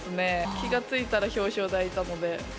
気が付いたら表彰台にいたので。